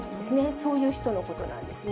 そういう人のことなんですね。